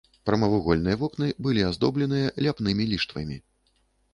Прамавугольныя вокны былі аздобленыя ляпнымі ліштвамі.